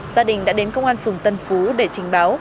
gia đình đã đến công an phường tân phú để trình báo